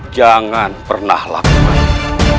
jangan pernah lakukan